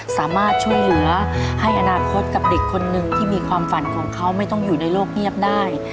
สามารถช่วยเหลือให้อนาคตกับเด็กคนหนึ่งที่มีความฝันของเขาไม่ต้องอยู่ในโลกเงียบได้